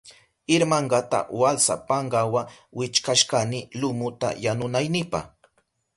Irmankata walsa pankawa wichkashkani lumuta yanunaynipa.